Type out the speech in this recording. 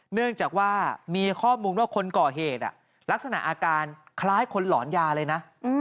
เนื่องจากว่ามีข้อมูลว่าคนก่อเหตุลักษณะอาการคล้ายคนหลอนยาเลยนะ